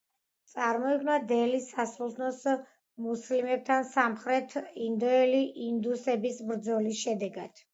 წარმოიქმნა დელის სასულთნოს მუსლიმებთან სამხრეთ ინდოელი ინდუსების ბრძოლის შედეგად.